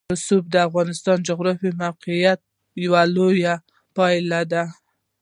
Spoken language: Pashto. رسوب د افغانستان د جغرافیایي موقیعت یوه لویه پایله ده.